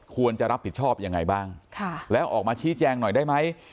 ควรจะรับผิดชอบยังไงบ้างแล้วออกมาชี้แจงหน่อยได้ไหม